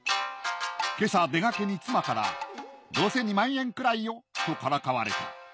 今朝出がけに妻からどうせ２万円くらいよとからかわれた。